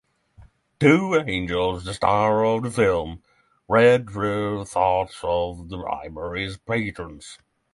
Two angels, the stars of the film, read the thoughts of the library's patrons.